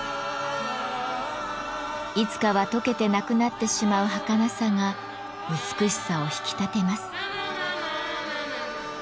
いつかはとけてなくなってしまうはかなさが美しさを引き立てます。